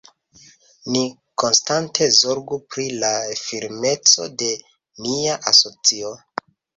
Ni konstante zorgu pri la firmeco de nia asocio.